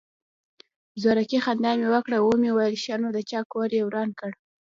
زورکي خندا مې وکړه ومې ويل ښه نو د چا کور يې وران کړى.